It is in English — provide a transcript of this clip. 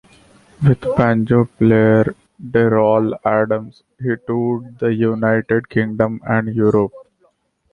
With banjo player Derroll Adams, he toured the United Kingdom and Europe.